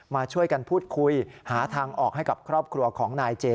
มาช่วยกันพูดคุยหาทางออกให้กับครอบครัวของนายเจ